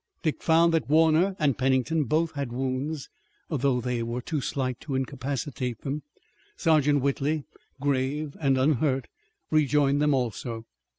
Dick found that Warner and Pennington both had wounds, although they were too slight to incapacitate them. Sergeant Whitley, grave and unhurt, rejoined them also.